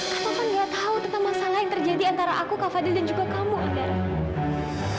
kak taufan gak tau tentang masalah yang terjadi antara aku kak fadil dan juga kamu andara